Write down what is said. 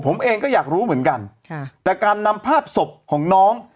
ผมเองก็อยากรู้เหมือนกันแต่การนำภาพศพของน้อง